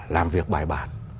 làm việc bài bản